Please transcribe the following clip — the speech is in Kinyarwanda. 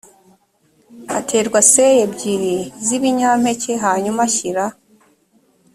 haterwa seya ebyiri z ibinyampeke hanyuma ashyira